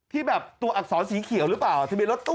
ที่แบบตัวอักษรสีเขียวหรือเปล่าทะเบียนรถตู้